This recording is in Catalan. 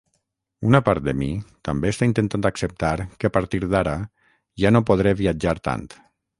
Una part de mi també està intentant acceptar que, a partir d'ara, ja no podré viatjar tant.